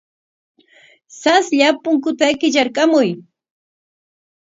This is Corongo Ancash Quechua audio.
Saslla punkuta kitrarkamuy.